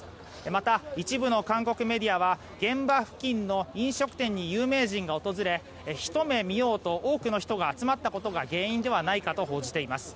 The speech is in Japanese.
また、一部の韓国メディアは現場付近の飲食店に有名人が訪れ、ひと目見ようと多くの人が集まったことが原因ではないかと報じています。